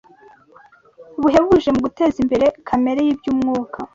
buhebuje mu guteza imbere kamere y’iby’umwuka